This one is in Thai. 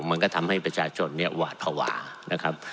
มันก็ทำให้ประชาชนเนี่ยหวาดภาวะนะครับ